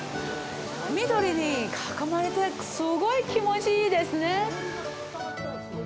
緑に囲まれて、すごい気持ちいいですね。